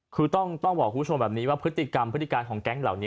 คือต้องบอกคุณผู้ชมแบบนี้ว่าพฤติกรรมพฤติการของแก๊งเหล่านี้